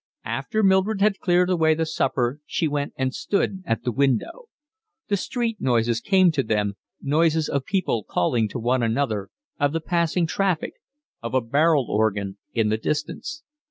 After Mildred had cleared away the supper she went and stood at the window. The street noises came up to them, noises of people calling to one another, of the passing traffic, of a barrel organ in the distance.